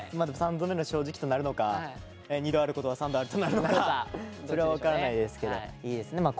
でも３度目の正直となるのか２度あることは３度あるとなるのかそれは分からないですけどいいですね。